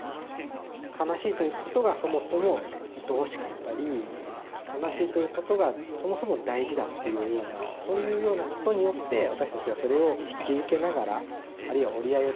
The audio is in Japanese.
悲しいということがそもそもいとおしかったり悲しいということがそもそも大事だっていうようなそういうようなことによって私たちはそれを引き受けながらあるいは折り合いをつけながら生きていく。